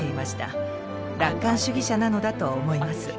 楽観主義者なのだと思います。